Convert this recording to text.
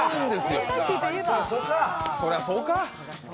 そりゃそうか。